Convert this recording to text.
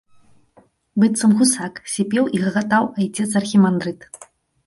— быццам гусак, сіпеў і гагатаў айцец архімандрыт.